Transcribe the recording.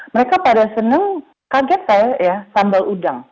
mereka pada seneng kaget saya ya sambal udang